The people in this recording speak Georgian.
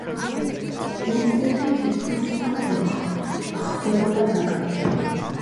გურკუფი თითქმის სულ ხვდებოდა ნაკრებში.